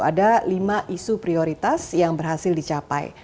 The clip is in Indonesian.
ada lima isu prioritas yang berhasil dicapai